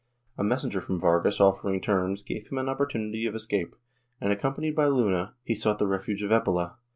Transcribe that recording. A messenger from Vargas offering terms gave him an opportunity of escape and, accompanied by Luna, he sought the refuge of Epila.